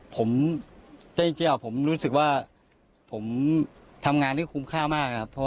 ผมใจเจียวผมรู้สึกว่าผมทำงานที่คุ้มค่ามากครับเพราะ